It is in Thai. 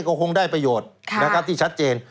ก็คงได้ประโยชน์ที่ชัดเจน